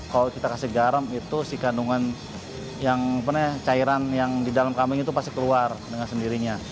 kalau kita kasih garam itu si kandungan yang cairan yang di dalam kambing itu pasti keluar dengan sendirinya